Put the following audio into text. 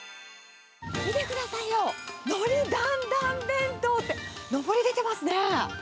見てくださいよ、海苔だんだん弁当ってのぼり出てますね。